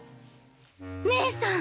ねえさん！